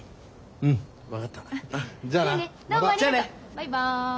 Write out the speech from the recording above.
バイバイ。